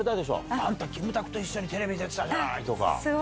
あんたキムタクと一緒にテレビ出てたじゃない！とか。